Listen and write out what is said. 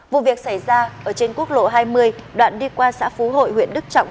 vụ việc xảy ra ở trên quốc lộ hai mươi đoạn đi qua xã phú hội huyện đức trọng